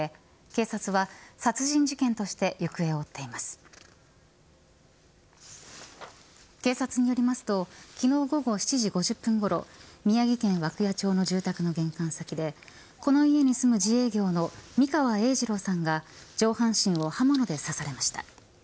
警察によりますと昨日午後７時５０分ごろ宮城県涌谷町の住宅の玄関先でこの家に住む自営業の三川栄治朗さんが上半身を刃物で刺されました。